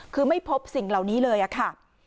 คือไม่พบสิ่งเหล่านี้เลยอะค่ะ